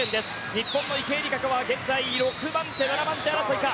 日本の池江璃花子は現在６番手、７番手争いか。